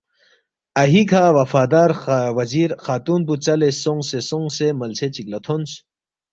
اَہیکھہ وفادار وزیر خاتون پو ژَلے سونگسے سونگسے ملسے چِک لہ تھونس